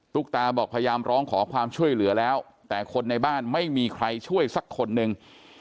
ตุ๊กตาบอกพยายามร้องขอความช่วยเหลือแล้วแต่คนในบ้านไม่มีใครช่วยสักคนหนึ่ง